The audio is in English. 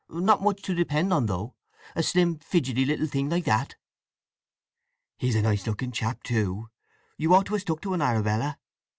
Not much to depend on, though; a slim, fidgety little thing like that." "He's a nice looking chap, too! You ought to ha' stuck to un, Arabella."